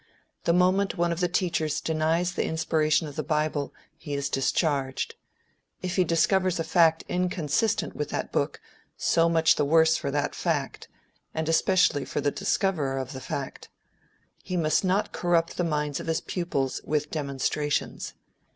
The moment one of the teachers denies the inspiration of the bible, he is discharged. If he discovers a fact inconsistent with that book, so much the worse for the fact, and especially for the discoverer of the fact. He must not corrupt the minds of his pupils with demonstrations.